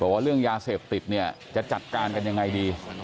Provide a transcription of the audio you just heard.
บอกว่าเรื่องยาเสพติดจะจัดการกันอย่างไรดี